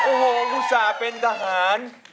โอ้โหอุตส่าห์เป็นทหาร